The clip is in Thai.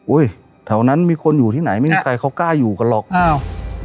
แถวนั้นมีคนอยู่ที่ไหนไม่มีใครเขากล้าอยู่กันหรอกอ้าว